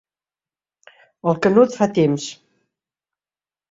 El Canut fa temps.